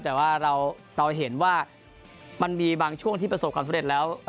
แต่ว่าเราเห็นว่ามันมีบางช่วงที่ประสบความสำเร็จแล้ว